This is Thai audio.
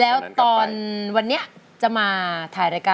แล้วตอนนี้พี่พากลับไปในสามีออกจากโรงพยาบาลแล้วแล้วตอนนี้จะมาถ่ายรายการ